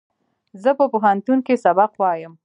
زه په پوهنتون کښې سبق وایم